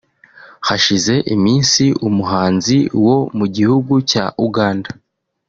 Hashize iminsi Umuhanzi wo mu gihugu cya Uganda